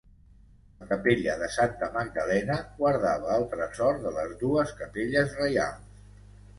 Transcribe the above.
La capella de Santa Magdalena guardava el tresor de les dues capelles reials.